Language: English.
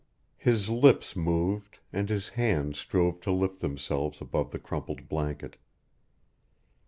His lips moved, and his hands strove to lift themselves above the crumpled blanket.